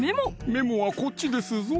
メモはこっちですぞ！